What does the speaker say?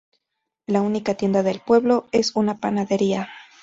La única tienda del pueblo es una panadería.